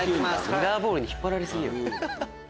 ミラーボールに引っ張られ過ぎ。